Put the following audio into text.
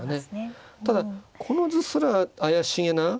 ただこの図すら怪しげな。